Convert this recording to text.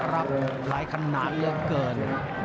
รับหลายขนาดเหลือเกิน